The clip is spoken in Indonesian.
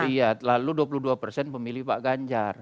iya lalu dua puluh dua pemilih pak ganja